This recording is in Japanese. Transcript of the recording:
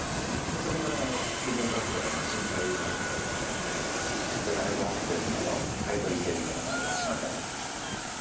それから数年たったら震災があったのもあって太陽光発電の買い取り制みたいな感じが始まったね。